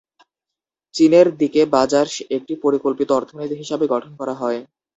চীনের দিকে বাজার একটি পরিকল্পিত অর্থনীতি হিসাবে গঠন করা হয়।